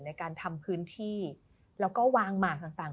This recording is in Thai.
ในการทำพื้นที่แล้วก็วางหมากต่าง